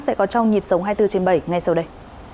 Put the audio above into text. sẽ có trong nhịp sống hai mươi bốn trên bảy ngay sau đây